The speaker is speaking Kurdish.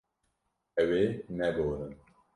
Ew ê neborin.